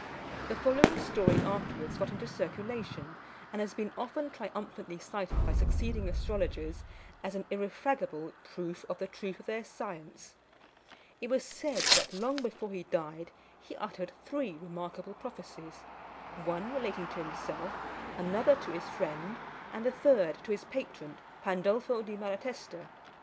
The following story afterwards got into circulation, and has been often triumphantly cited by succeeding astrologers as an irrefragable proof of the truth of their science. It was said that, long before he died, he uttered three remarkable prophecies one relating to himself, another to his friend, and the third to his patron, Pandolfo di Malatesta.